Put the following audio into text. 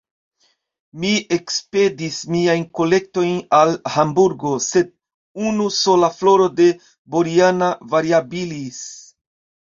Mi ekspedis miajn kolektojn al Hamburgo, sen unu sola floro de Boriana variabilis.